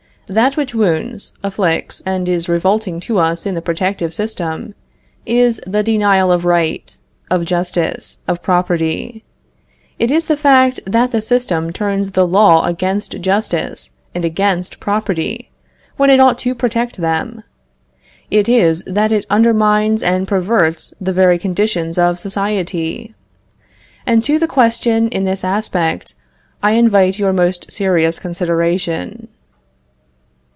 That which wounds, afflicts, and is revolting to us in the protective system, is the denial of right, of justice, of property; it is the fact that the system turns the law against justice and against property, when it ought to protect them; it is that it undermines and perverts the very conditions of society. And to the question in this aspect I invite your most serious consideration.